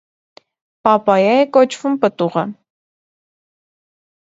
Պապայա է կոչվում պտուղը։